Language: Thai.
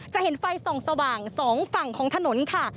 จะเห็นไฟส่องสว่าง๒ฝั่งของถนนค่ะ